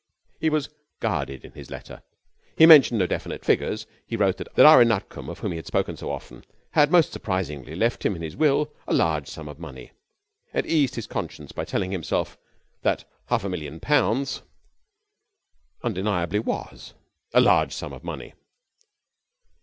He was guarded in his letter. He mentioned no definite figures. He wrote that Ira Nutcombe of whom they had spoken so often had most surprisingly left him in his will a large sum of money, and eased his conscience by telling himself that half of a million pounds undeniably was a large sum of money.